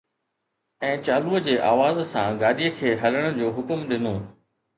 ۽ چالوءَ جي آواز سان گاڏيءَ کي ھلڻ جو حڪم ڏنو